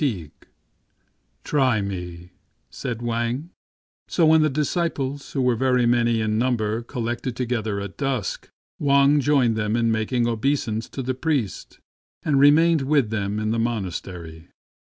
C J i8 STRANGE STORIES So when the disciples, who were very many in number, collected together at dusk, Wang joined them in making obeisance to the priest, and remained with them in the monastery.